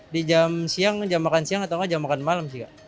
di jam siang jam makan siang atau jam makan malam sih kak